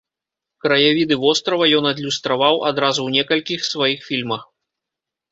Краявіды вострава ён адлюстраваў адразу ў некалькіх сваіх фільмах.